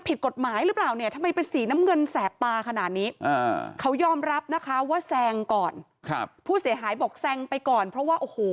ผู้เสียหายบอกแซงไปก่อนเพราะว่าโอ้โห